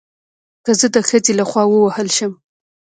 که زه د ښځې له خوا ووهل شم